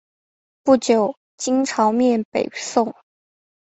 不久金朝灭北宋。